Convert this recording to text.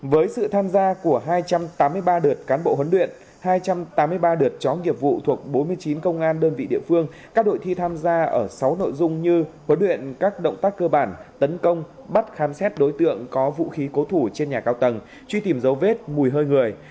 với sự tham gia của hai trăm tám mươi ba đợt cán bộ huấn luyện hai trăm tám mươi ba đợt chó nghiệp vụ thuộc bốn mươi chín công an đơn vị địa phương các đội thi tham gia ở sáu nội dung như huấn luyện các động tác cơ bản tấn công bắt khám xét đối tượng có vũ khí cố thủ trên nhà cao tầng truy tìm dấu vết mùi hơi người